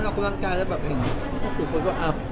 ออกกำลังกายแล้วแบบเข้าสู่คนก็อัพ